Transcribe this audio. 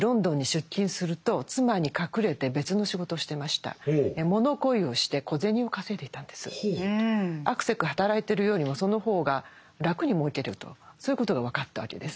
しかし実はですねあくせく働いてるよりもその方が楽に儲けるとそういうことが分かったわけです。